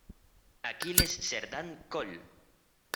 Aquiles Serdán Col.